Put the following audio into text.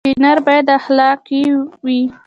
انجنیر باید خلاق وي